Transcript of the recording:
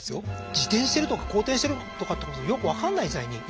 自転してるとか公転してるとかってことよく分かんないじゃない。